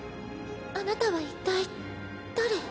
あなたは一体誰？